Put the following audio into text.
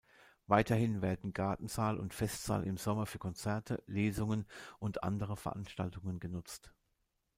Weiterhin werden Gartensaal und Festsaal im Sommer für Konzerte, Lesungen und andere Veranstaltungen genutzt.